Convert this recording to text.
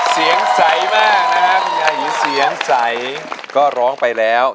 ดินทมร่างฉันไว้ให้จม